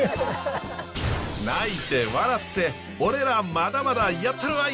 泣いて笑って俺らまだまだやったるわい！